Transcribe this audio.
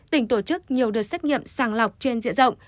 tỉnh tổ chức nhiều đợt xét nghiệm sàng lọc trên diện rộng